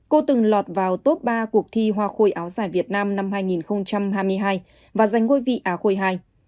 cô từng lọt vào top ba cuộc thi hoa khôi áo dài việt nam năm hai nghìn hai mươi hai và giành ngôi vị á khôi ii